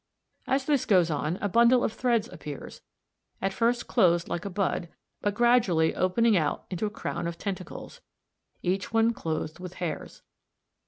As this goes on, a bundle of threads appears, at first closed like a bud, but gradually opening out into a crown of tentacles (a, Fig. 72), each one clothed with hairs.